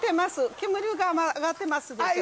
煙が上がってますでしょ